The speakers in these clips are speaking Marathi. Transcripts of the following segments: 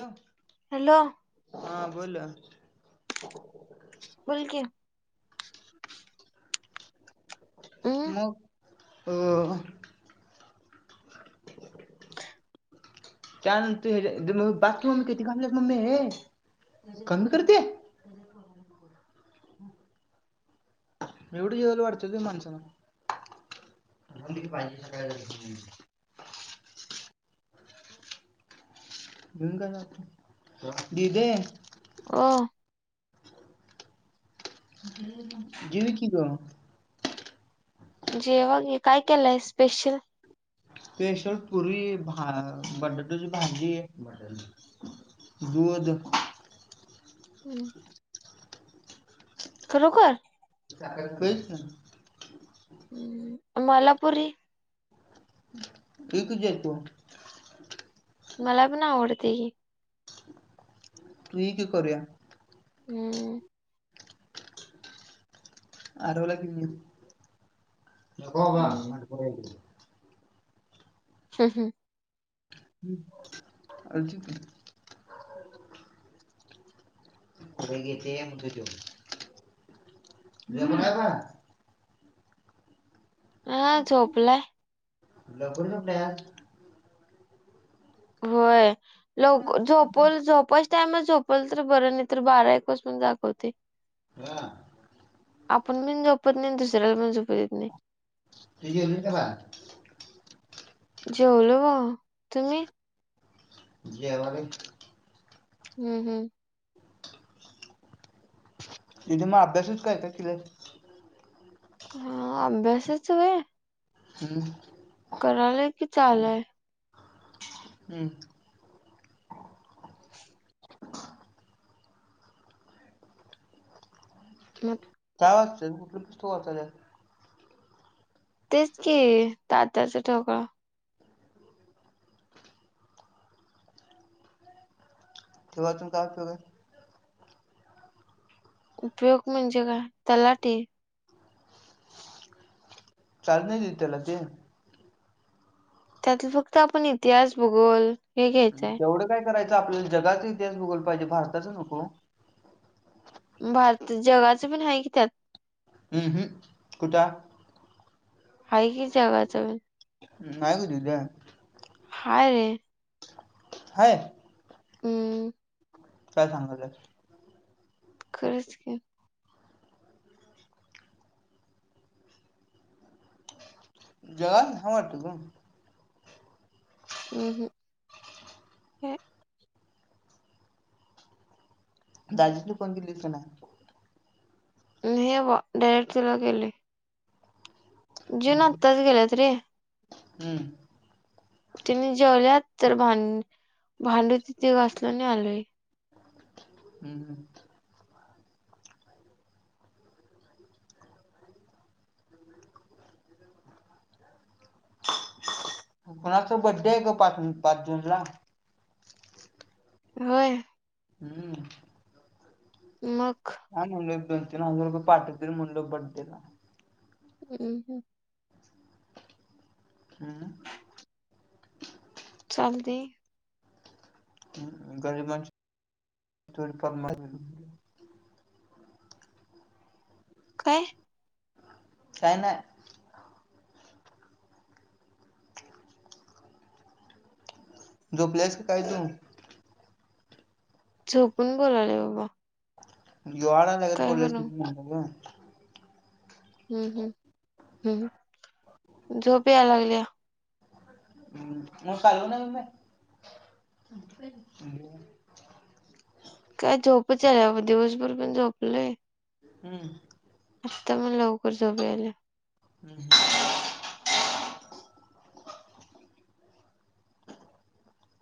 हॅलो हॅलो हा बोल. बोल की. हम्म मग अ. [inaudible] त्यानंतर ह्याच्या बास कि मम्मे किती घालाल्यास मम्मे ये कमी कर ते एवढं जेवाला वाढत्यात व्हय माणसाला [unintelligible] घेऊन काय जातोय दीदेे - - ओ जेव ये कि ग. जेवा की काय केलाय स्पेशल. स्पेशल पुरी भा बटाटूची भाजी. दूध हम्म. खरोखर? [unintelligible] हम मला पुरी. ये की देतो. मला पण आवडते की. तु ये की करूया. हम्म आरवला घेऊन ये, नको बाबा हम्म भांडखोर आहे ते. [unintelligible] ह्म्म, आजी ती पुढं घे ते, म्हणतोय त्यो. जेवला का? हा झोपलाय. लवकर झोपलाय आज. होय लव झोप झोपायच टायमला झोपल तर बरं नाही तर बारा एक वाजूस पर्यंत जागवतंय. वा आपण पण झोपत नाही, आणि दुसऱ्याला पण झोपू देत नाही. तु जेवलीस का बाळा? जेवलो बबा, तुम्ही? जेवालोय. हम्म हम्म दिदी मग अभ्यासाच काय काय केल्यास? हा अभ्यासाच व्हय? हम्म करालोय की, चालूय. हम्म म काय वाचतेस, कुठलं पुस्तक वाचायल्यास? तेच की, तात्याचं ठोकळा. ते वाचून काय उपयोग हाय? उपयोग म्हणजे काय? तलाटी. चार्ज नाही देत त्याला ते? त्यातलं फक्त आपण इतिहास, भूगोल हे घ्यायचंय तेवढं काय करायचं आपल्याला, जगाचा इतिहास, भूगोल पाहिजे भारताच नको. भारत जगाचं पण आहे की त्यात. कुठं? हाय कि जगाचं पण. नाय ग दीदे. हाय रे. हाय? हम्म काय सांगायल्यास. खरच की. जगाचं नाही वाटतं ग. [unintelligible] हम्म दाजीना फोन केलीस का नाय? नाय बवा, डायरेक्ट तुला केली. जिवून हम्म. आत्ताच गेलेत रे. हम्म त्यानी जेवल्यात तर भां भांडी होती ती घासलो आणि आलोय. हम्म हम्म बाळाचा बड्डे आहे ग पाच पाच जून ला. होय? हम्म मग? हा म्हणलं दोन -तीन हजार रुपये पाठवतील म्हणलं बड्डेला हम्म हम्म अं चालतय गरीबांच्या [unintelligible] परम [unintelligible] काय? काय नाय. जोपल्यास का काय तू? झोपून बोलालोय बाबा. जीवावर आल्यागत काय बोलाल्यास करू म्हणून म्हणलो गं. हम्म हम्म हम्म, झोप या लागल्या. हम्म काय झोपच याल्या बाबा, दिवसभर पण झोपलोय हम्म आता पण लवकर झोप याय लागल्या. हम्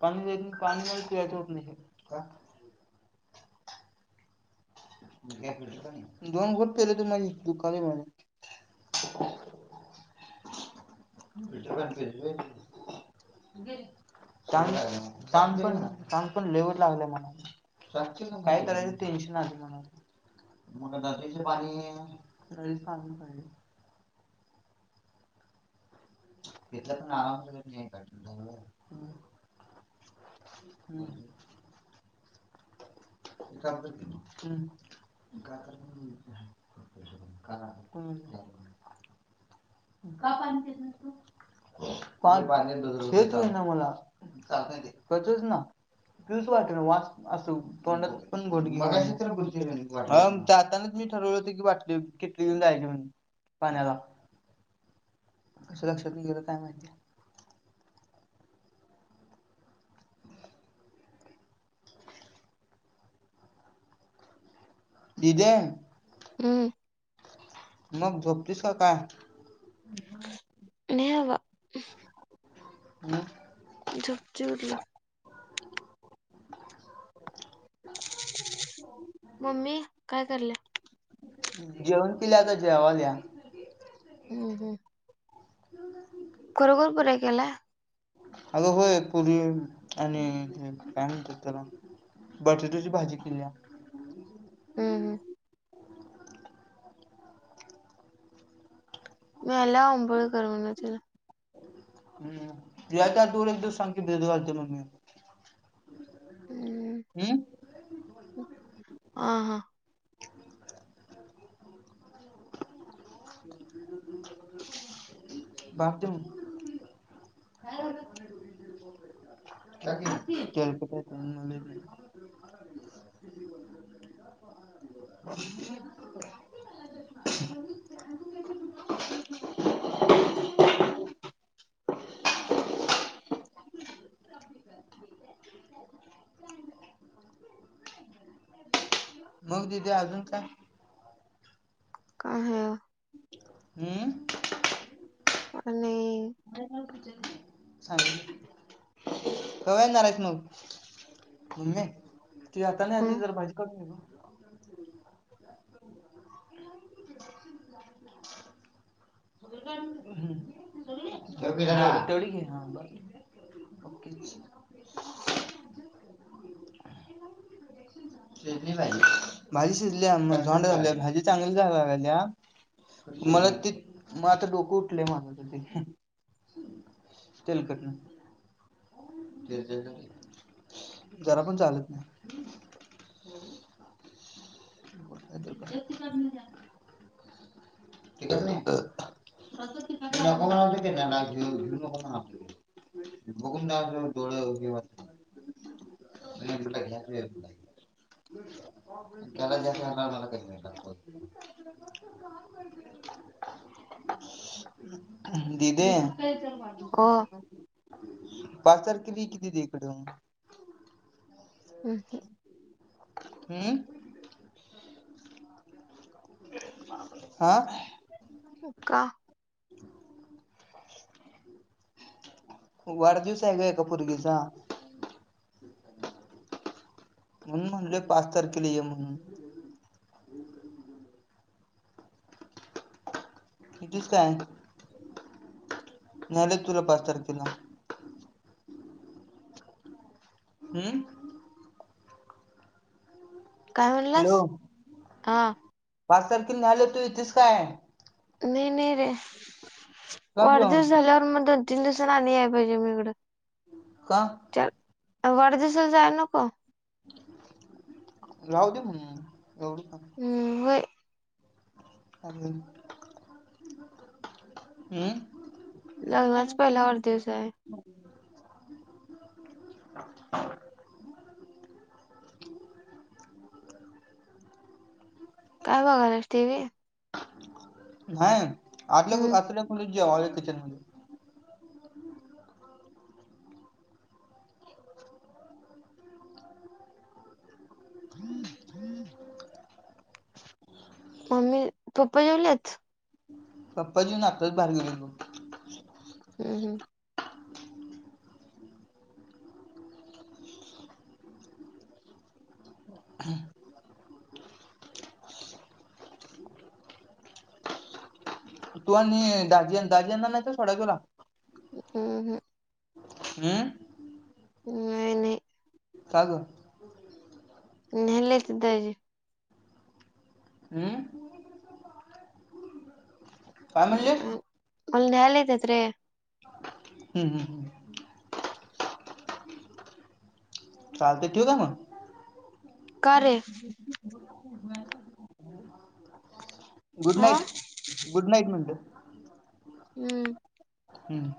पाणी पेया पाणी प्याययचं होत नाही, का दोन घोट पेल तर माझ हितं दुकालय वट चांग चांग पण चांग पण लै वाईट लागलंय मला काय करायचं टेन्शन आलंय मला आता. मग दातलीचे पाणी चा पाहि तेला पण आवा नाही का हम्म हम्म का का पाणी पेत नाहीस तू? हेच हुना मला, पचचना. पीउच वाटना वास असं तोंडात पण घेउ वाटेना, जातनाच मी ठरवलं होत की, बाटली, किटली घ्युन जायचे म्हणून. पाण्याला कसं लक्षातन गेलं काय माहिती? दीदे अं मग झोपतीस का काय? नाही बाबा हम् झोपतोय कुटलं हो मम्मी, काय कराल्या? जेवण केल्या, आता जेवाल्या. हम्म हम्म खरोखर पूऱ्या केलाय? अगं होय पुरी आणि काय म्हणतात त्याला? बटाट्याची भाजी केल्या. हम्म हम्म मी आल्यावर आंबोळी कर म्हणाव तिला. हम् यायच्या आदोगर एक दिवस सांग की, भिजत घालत्या म मम्मी. हम्म अं हा हा. भात देवून या की. [unintelligible] [inaudible] [inaudible] मग दिदे अजून काय? काय हाय? हम्म. का नही. [unintelligible] धरायचं मग. मम्मी जातान ह्यातली हं जरा भाजी काढून घे ग. ह [unintelligible] वडी [inaudible] [inaudible] दोन्ही पाहिजे. भाजी शिजल्या झोंड झाली भाजी चांगली लागल्या. मला त म आता डोकं उठलंय माझ त ते तेलकटन. जरा पण चालत नाही. [unintelligible] काढून जा. टिकत नाही? तिखट लागलत. नको म्हणालतो कणी नको घेऊ, घेऊ नको म्हणाल तो. बघून जा डोळ घ्याच [unintelligible] त्याला जास्त मिळणार मला कमी मिळणार मग दिदे ओ. पासार किती किती इकड? अ हं. हम्म. हा. का? [inaudible] वाढदिवस हाय एका पोरगीचा. म्हणून म्हणलं पाच तारखेला ये म्हणून. किती सांग? न्यायला येतो तुला पाच तारखेला. हम्म. काय म्हणलास? आ. पार्सल तेन न्यायला येतो इथीस काय? नही नही रे. का ग वाढदिवस झाल्यावर मग दोन, तीन दिवसान आणि या पाहिजे म हिकड. का? च्याल वाढदिवसाला जाय नको. राहू दे मंग जाऊ नका. हम्म होय. चालेल हम्म. लग्नाचा पहिला वाढदिवस हाय. काय बघायलास? टीव्ही. न्हाय. आतल्या खोली हम्म आतल्या खोलीत जेवालोय किचन मध्ये. [inaudible] मम्मी, पप्पा जेवलीत? पप्पा जेवून आत्ताच बाहेर गेलीत बघ. ह [unintelligible] [inaudible] ह तू आणि दाजी दाजी यांना नाही सोडायच तुला हम् हम् हम नाय नाही का गं न्ह्यायला येतेत दाजी हम [unintelligible] काय म्हणले ह मला न्यायला येत्यात रे हम्म हम्म हम्म चालतय ठेऊ का मग का रे गुड हा नाईट गुड नाईट म्हनलं हम्म हम्म